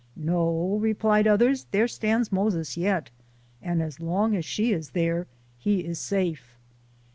" No," replied others, " there stands ' Moses ' yet, and as long as she is there, he is safe."